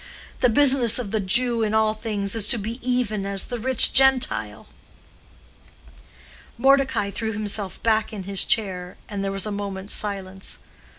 The business of the Jew in all things is to be even as the rich Gentile.'" Mordecai threw himself back in his chair, and there was a moment's silence.